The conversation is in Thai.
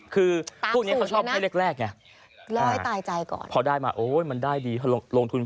คือพวกนี้เขาชอบให้เล็กเนี่ย